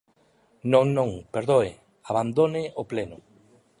Non, non, perdoe, abandone o pleno.